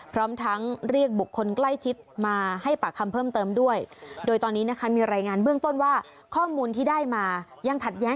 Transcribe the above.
พร้อมทั้งเรียกบุคคลใกล้ชิดมาให้ประคำเพิ่มเติมด้วย